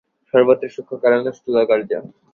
সর্বত্রই সূক্ষ্ম কারণ ও স্থূল কার্য।